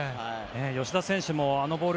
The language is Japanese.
吉田選手もあのボール